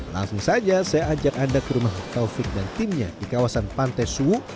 langsung saja saya ajak anda ke rumah taufik dan timnya di kawasan pantai suwu